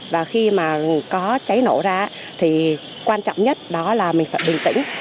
và khi mà có cháy nổ ra thì quan trọng nhất đó là mình phải bình tĩnh